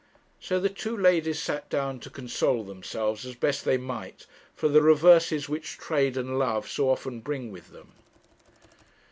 So the two ladies sat down to console themselves, as best they might, for the reverses which trade and love so often bring with them.